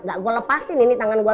gak gue lepasin ini tangan gue